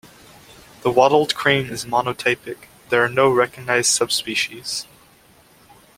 The wattled crane is monotypic: there are no recognised subspecies.